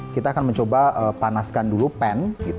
kita akan mencoba panaskan dulu pan